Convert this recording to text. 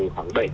khoảng bảy km